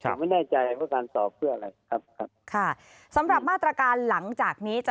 ผมไม่แน่ใจว่าการตอบเพื่ออะไร